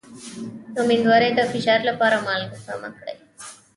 د امیدوارۍ د فشار لپاره مالګه کمه کړئ